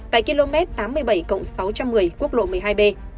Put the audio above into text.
tại km tám mươi bảy sáu trăm một mươi quốc lộ một mươi hai b